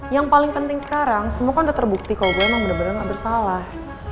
yang paling penting sekarang semua kan udah terbukti kalau gue emang bener bener gak bersalah